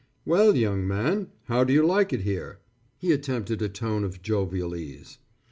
"Well, young man, how do you like it here?" He attempted a tone of jovial ease.